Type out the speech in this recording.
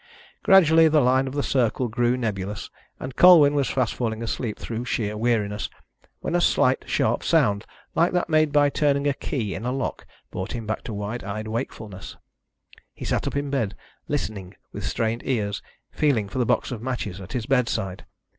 Gradually the line of the circle grew nebulous, and Colwyn was fast falling asleep through sheer weariness, when a slight sharp sound, like that made by turning a key in a lock, brought him back to wide eyed wakefulness. He sat up in bed, listening with strained ears, feeling for the box of matches at his bedside.